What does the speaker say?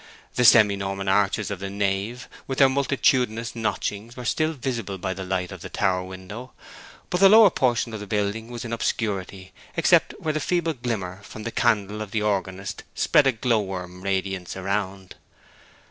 The semi Norman arches of the nave, with their multitudinous notchings, were still visible by the light from the tower window, but the lower portion of the building was in obscurity, except where the feeble glimmer from the candle of the organist spread a glow worm radiance around.